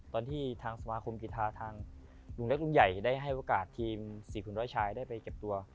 ตอนที่ทางสมาคมกีธาทางลุงเล็กลุงใหญ่ได้ให้โอกาสทีม๔คุณร้อยชายได้ไปเก็บตัว